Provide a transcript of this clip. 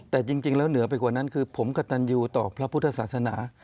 แต่จริงแล้วเหนือไปกว่านั้นคือผมกระตันยูต่อพระพุทธศาสนา